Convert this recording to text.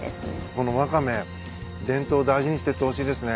このワカメ伝統を大事にしてってほしいですね。